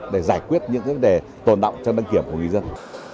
để giải quyết những vấn đề tồn động trong đăng kiểm của người dân